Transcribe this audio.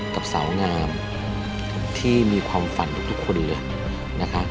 กับสาวงามที่มีความฝันทุกคนเลยนะคะ